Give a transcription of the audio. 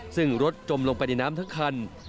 ซึ่งรถจมลงไปในน้ำทั้งคัน